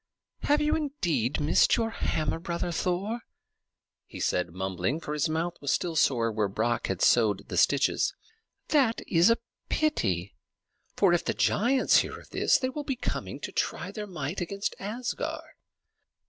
"Have you indeed missed your hammer, brother Thor?" he said, mumbling, for his mouth was still sore where Brock had sewed the stitches. "That is a pity; for if the giants hear of this, they will be coming to try their might against Asgard."